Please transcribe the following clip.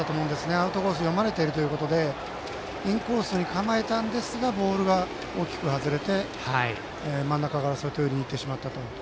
アウトコース読まれているということでインコースに構えたんですがボールは大きく外れて真ん中から外寄りへ行ってしまったと。